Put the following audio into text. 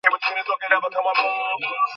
ওদিকে রাস্তার কাজ চলছে।